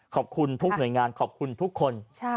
ขอบคุณทุกหน่วยงานขอบคุณทุกคน